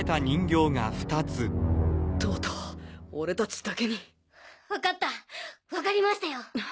とうとう俺達だけに！わかったわかりましたよ。